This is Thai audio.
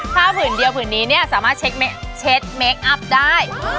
ถ้าผืนเดียวผืนนี้เนี่ยสามารถเช็คเมคอัพได้